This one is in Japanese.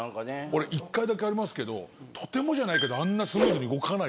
俺１回だけありますけどとてもじゃないけどあんな。